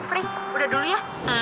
frey udah dulu ya